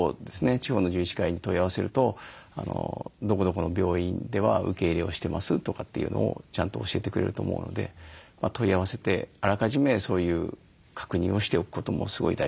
地方の獣医師会に問い合わせるとどこどこの病院では受け入れをしてますとかっていうのをちゃんと教えてくれると思うので問い合わせてあらかじめそういう確認をしておくこともすごい大事だと思います。